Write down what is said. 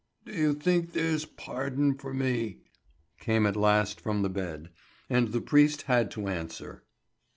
"Do you think there's pardon for me?" came at last from the bed; and the priest had to answer.